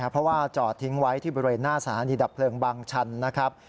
เพราะว่าจอดทิ้งไว้ที่บริเวณหน้าสถานีดับเพลิงบางชันนะครับ